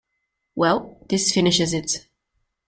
Well, this finishes it.